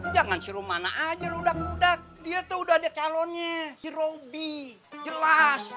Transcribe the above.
jangan si romana aja lo udak udak dia tuh udah ada kalonnya si robi jelas